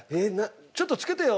「ちょっと着けてよ」